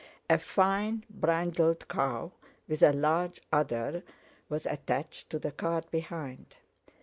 A fine brindled cow with a large udder was attached to the cart behind.